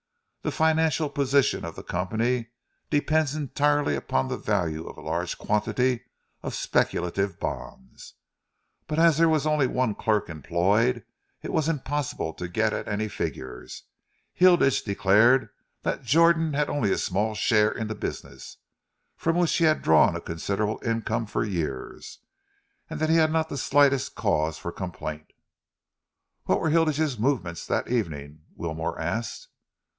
"The financial position of the company depends entirely upon the value of a large quantity of speculative bonds, but as there was only one clerk employed, it was impossible to get at any figures. Hilditch declared that Jordan had only a small share in the business, from which he had drawn a considerable income for years, and that he had not the slightest cause for complaint." "What were Hilditch's movements that evening?" Wilmore asked.